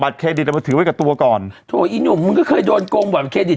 เครดิตเอามาถือไว้กับตัวก่อนถูกอีหนุ่มมึงก็เคยโดนโกงบัตรเครดิต